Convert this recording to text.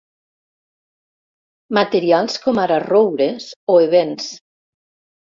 Materials com ara roures o ebens.